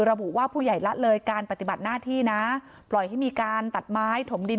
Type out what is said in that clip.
ระบุว่าผู้ใหญ่ละเลยการปฏิบัติหน้าที่นะปล่อยให้มีการตัดไม้ถมดิน